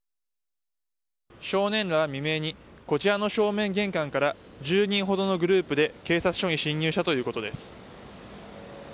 少年らは未明にこちらの正面玄関から１０人ほどのグループで警察署に侵入したということです。